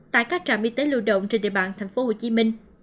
tại các trạm y tế lưu động trên địa bàn tp hcm